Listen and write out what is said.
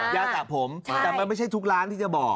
สระผมแต่มันไม่ใช่ทุกร้านที่จะบอก